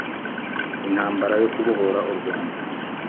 intambara yo kubohora u rwanda